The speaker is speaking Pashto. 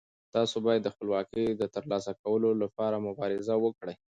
تاسو باید د خپلواکۍ د ترلاسه کولو لپاره مبارزه وکړئ.